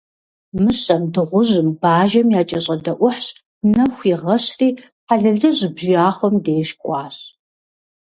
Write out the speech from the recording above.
Мыщэм, Дыгъужьым, Бажэм якӀэщӀэдэӀухьщ, нэху игъэщри, Хьэлэлыжь бжьахъуэм деж кӀуащ.